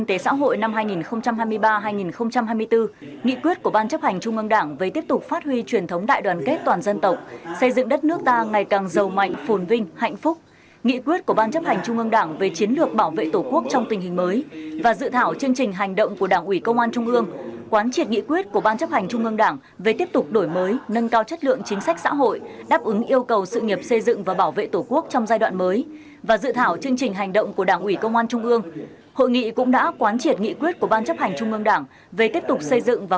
tiếp tục xây dựng đơn vị ngày càng vững mạnh phát triển